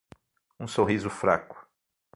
um sorriso fraco